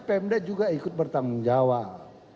pemda juga ikut bertanggung jawab